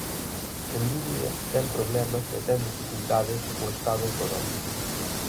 Sen dúbida, ten problemas e ten dificultades o Estado autonómico.